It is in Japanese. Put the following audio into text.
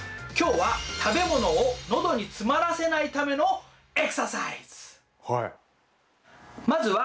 今日は食べ物を喉に詰まらせないためのエクササイズ！